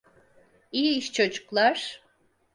İyi iş, çocuklar.